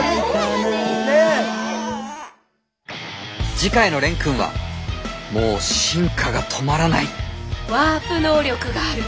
次回の蓮くんはもう進化が止まらないワープ能力がある？